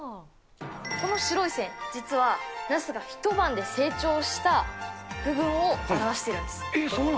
この白い線、実は、ナスが一晩で成長した部分を表してるんです。